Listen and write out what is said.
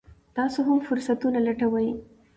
تاسو هم فرصتونه لټوئ.